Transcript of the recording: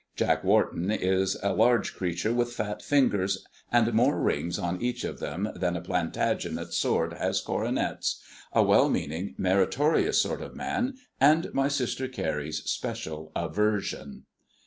Jack Wharton is a large creature with fat fingers, and more rings on each of them than a Plantagenet sword has coronets a well meaning, meritorious kind of man, and my sister Carrie's special aversion.